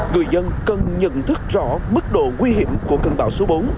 người dân cần nhận thức rõ mức độ nguy hiểm của cơn bão số bốn